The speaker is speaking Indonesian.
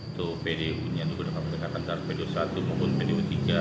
itu pdu nya pdu satu maupun pdu tiga